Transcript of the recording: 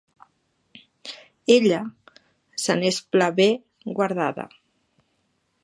Ella se n'és pla bé guardada.